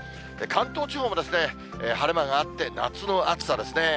関東地方もですね、晴れ間があって、夏の暑さですね。